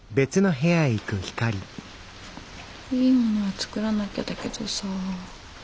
いいものは作らなきゃだけどさあ。